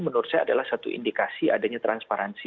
menurut saya adalah satu indikasi adanya transparansi